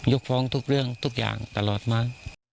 กฟ้องทุกเรื่องทุกอย่างตลอดมา